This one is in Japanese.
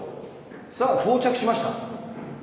さあ到着しました。